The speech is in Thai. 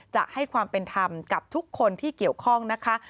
จะให้ความเป็นธรรมกับทุกคนที่เกี่ยวข้องนะคะ